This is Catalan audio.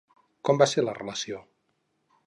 Com va ser la relació?